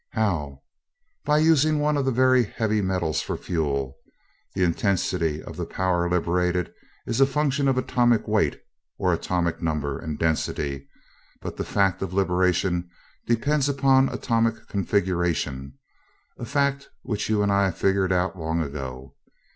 "How?" "By using one of the very heavy metals for fuel. The intensity of the power liberated is a function of atomic weight, or atomic number, and density; but the fact of liberation depends upon atomic configuration a fact which you and I figured out long ago.